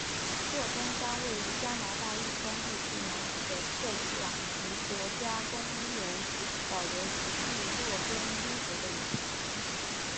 洛根山位于加拿大育空地区南部的克鲁瓦尼国家公园及保留地及洛根冰河的源头。